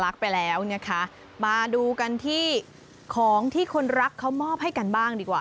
ไปแล้วนะคะมาดูกันที่ของที่คนรักเขามอบให้กันบ้างดีกว่า